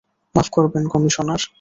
মাফ করবেন, কমিশনার।